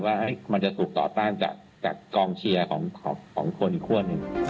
ว่ามันจะถูกต่อต้านจากกองเชียร์ของคนอีกคั่วหนึ่ง